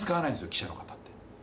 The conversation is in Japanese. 記者の方って。